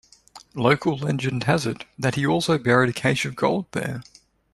Local legend has it that he also buried a cache of gold there.